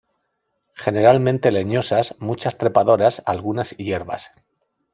Generalmente leñosas, muchas trepadoras, algunas hierbas.